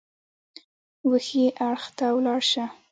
وښي اړخ ته ولاړ شه !